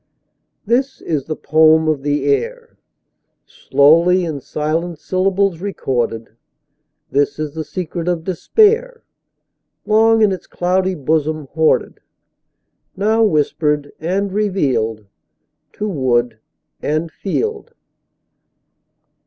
This is the poem of the air, Slowly in silent syllables recorded; This is the secret of despair, Long in its cloudy bosom hoarded, Now whispered and revealed To wood and field.